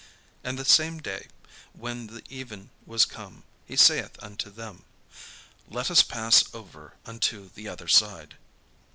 And the same day, when the even was come, he saith unto them: "Let us pass over unto the other side."